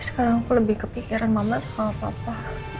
sekarang aku lebih kepikiran mama sama papa